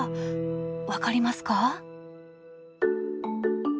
分かりますか？